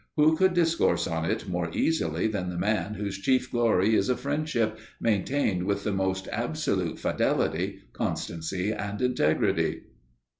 Who could discourse on it more easily than the man whose chief glory is a friendship maintained with the most absolute fidelity, constancy, and integrity?